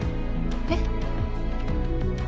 えっ？